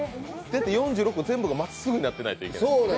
だって４６個全部がまっすぐになってないといけないですもんね。